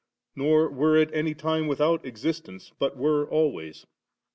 nor were at any time without existence, but were always.